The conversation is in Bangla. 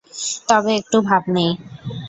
তবে একটু ভাব নেয়।